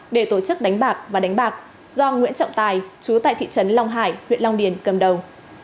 để tổ chức đánh bạc và đánh bạc do nguyễn trọng tài chú tại thị trấn long hải huyện long điền cầm đầu